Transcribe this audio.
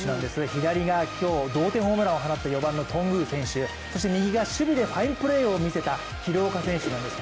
左が今日同点ホームランを放った４番の頓宮選手、そして右が守備でファインプレーを見せた廣岡選手なんです。